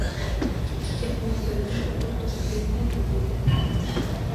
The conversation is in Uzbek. Ikki gapning birida O`g`il tug`ib bermading, deydi